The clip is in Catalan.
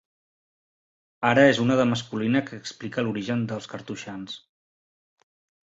Ara és una de masculina que explica l'origen dels cartoixans.